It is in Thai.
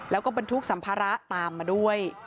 แล้วก็บรรทุกสัมภาระตามมาด้วย